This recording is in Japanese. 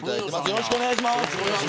よろしくお願いします。